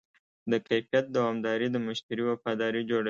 د کیفیت دوامداري د مشتری وفاداري جوړوي.